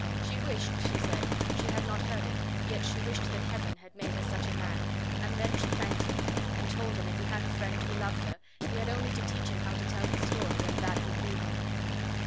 She wished (she said) she had not heard it, yet she wished that Heaven had made her such a man; and then she thanked him, and told him, if he had a friend who loved her, he had only to teach him how to tell his story and that would woo her.